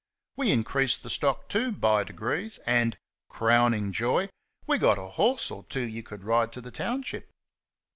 We increased the stock, too, by degrees; and crowning joy! we got a horse or two you could ride to the township.